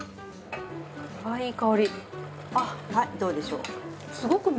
はいどうでしょう？